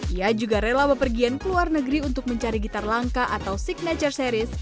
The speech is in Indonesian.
ia juga rela berpergian ke luar negeri untuk mencari gitar langka atau signature series